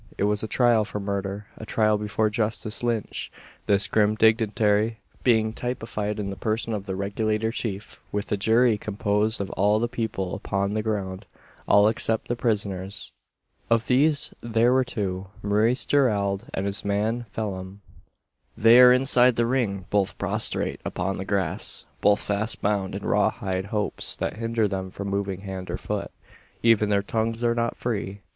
It was a trial for Murder a trial before Justice Lynch this grim dignitary being typified in the person of the Regulator Chief with a jury composed of all the people upon the ground all except the prisoners. Of these there are two Maurice Gerald and his man Phelim. They are inside the ring, both prostrate upon the grass; both fast bound in raw hide ropes, that hinder them from moving hand or foot. Even their tongues are not free.